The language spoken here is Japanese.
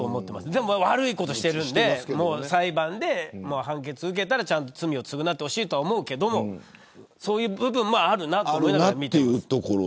でも、悪いことしてるんで裁判で判決を受けたらちゃんと罪を償ってほしいと思うけどそういう部分もあるなとみています。